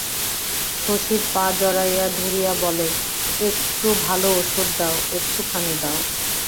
শশীর পা জড়াইয়া ধরিয়া বলে, একটু ভালো ওষুধ দাও, একটুখানি দাও।